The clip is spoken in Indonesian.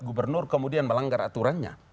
gubernur kemudian melanggar aturannya